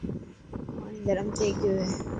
پاڻي گرم ٿي گيو هي.